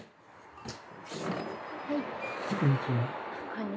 はい。